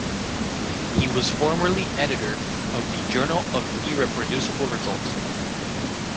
He was formerly editor of the "Journal of Irreproducible Results".